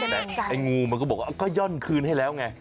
แต่ไอ้งูมันก็บอกว่าก็ย่อนคืนให้แล้วไง